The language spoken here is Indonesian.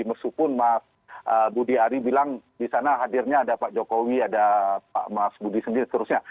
meskipun mas budi ari bilang di sana hadirnya ada pak jokowi ada pak mas budi sendiri seterusnya